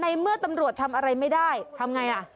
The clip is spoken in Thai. เมื่อตำรวจทำอะไรไม่ได้ทำไงล่ะ